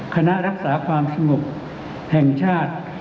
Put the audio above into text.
คณะรักษาความสงบแห่งชาติ